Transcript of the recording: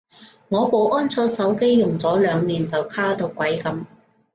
我部安卓手機用咗兩年就卡到鬼噉